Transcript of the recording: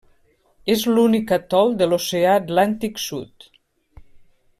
És l'únic atol de l'oceà Atlàntic Sud.